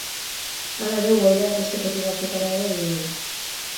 Hala ere, uholdeak beste toki batzuetara ere heldu dira.